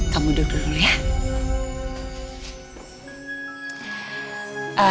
kamu duduk dulu ya